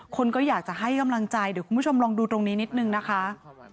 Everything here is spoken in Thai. คนก็อยากจะให้กำลังใจเดี๋ยวคุณผู้ชมลองดูตรงนี้นิดนึงนะคะ